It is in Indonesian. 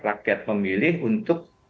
rakyat pemilih untuk